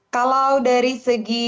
kalau dari segi apa